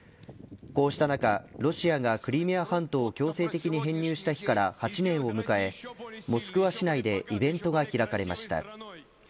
こうした中、ロシアがクリミア半島を強制的に編入した日から８年を迎えモスクワ市内でイベントが開かれました。